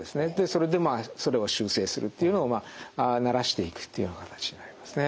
それでまあそれを修正するというのを慣らしていくという形になりますね。